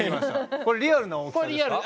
これリアルな大きさですか？